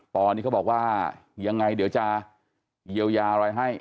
ปนี่เขาบอกว่ายังไงเดี๋ยวจะเยียวยาอะไรให้